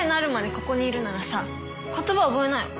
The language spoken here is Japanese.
ここにいるならさ言葉覚えなよ。